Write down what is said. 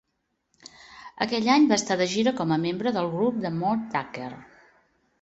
Aquell any va estar de gira com a membre del grup de Moe Tucker.